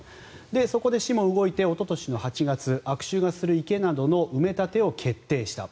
そこで市も動いておととし８月悪臭がする池などの埋め立てを決定した。